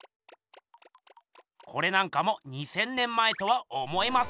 これなんかも２，０００年前とは思えません。